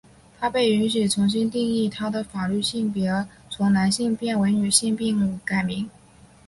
她被允许重新定义她的法律性别从男性变为女性并改名。